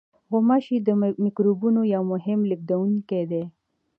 غوماشې د میکروبونو یو مهم لېږدوونکی دي.